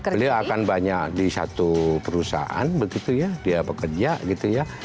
beliau akan banyak di satu perusahaan begitu ya dia bekerja gitu ya